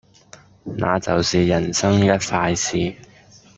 那就是人生一快事